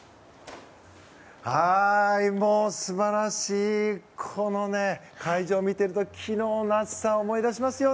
もう素晴らしいこの会場を見ていると昨日の熱さを思い出しますよ。